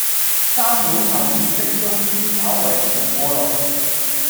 三碗後意識終於稍為回過來